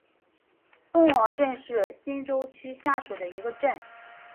凤凰镇是新洲区下属的一个镇。